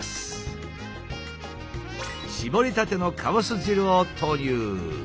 搾りたてのかぼす汁を投入。